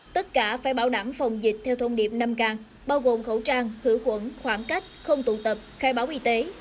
tất cả phải bảo đảm phòng dịch theo thông điệp năm càng bao gồm khẩu trang hữu khuẩn khoảng cách không tụ tập khai báo y tế